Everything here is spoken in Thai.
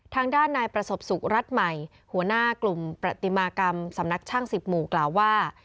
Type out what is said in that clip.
ทางด้านนายประสบสุขรัฐใหม่หัวหน้ากลุ่มประติมากรรมสำนักช่าง๑๐หมู่กล่าวว่า